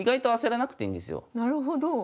なるほど。